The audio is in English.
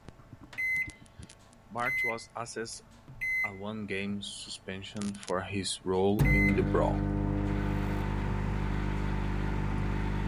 Barch was assessed a one-game suspension for his role in the brawl.